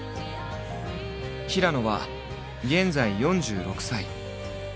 平野は現在４６歳。